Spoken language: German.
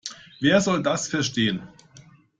Wer soll das verstehen?